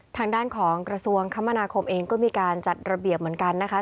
ทางด้านของกระทรวงคมนาคมเองก็มีการจัดระเบียบเหมือนกันนะคะ